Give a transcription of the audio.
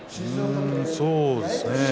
そうですね。